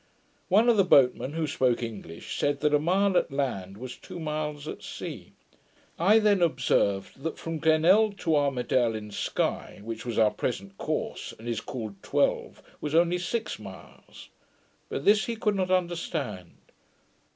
One of the boatmen, who spoke English, said, that a mile at land was two miles at sea. I then observed, that from Glenelg to Armidale in Sky, which was our present course, and is called twelve, was only six miles: but this he could not understand.